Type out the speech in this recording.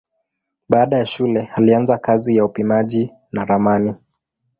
Baada ya shule alianza kazi ya upimaji na ramani.